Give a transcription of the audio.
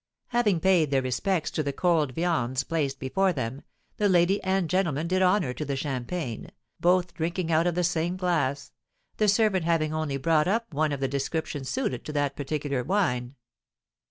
Having paid their respects to the cold viands placed before them, the lady and gentleman did honour to the champagne, both drinking out of the same glass, the servant having only brought up one of the description suited to that particular wine.